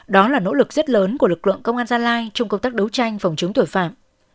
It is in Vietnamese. đó là nỗ lực rất lớn của lực lượng công an gia lai trong công tác đấu tranh phòng chống tội phạm